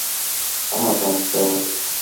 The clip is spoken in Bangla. আহা, চমৎকার বাড়ি।